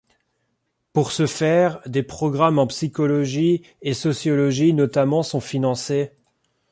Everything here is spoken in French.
Pour ce faire des programmes en psychologie et sociologie notamment sont financés.